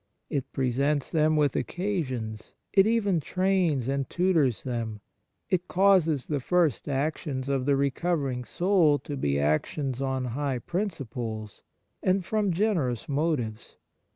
It presents them with occa sions ; it even trains and tutors them. It causes the first actions of the recovering soul to be actions on high principles, and from generous motives.